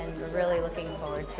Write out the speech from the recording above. dan kita sangat menarik